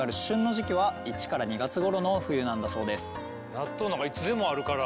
納豆なんかいつでもあるから。